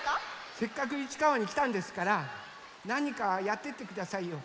せっかくいちかわにきたんですからなにかやってってくださいよ。